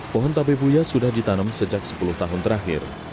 pohon tabebuya sudah ditanam sejak sepuluh tahun terakhir